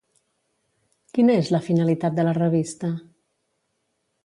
Quina és la finalitat de la revista?